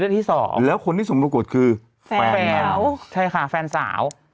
ที่สองแล้วคนที่สมปรากฏคือแฟนสาวใช่ค่ะแฟนสาว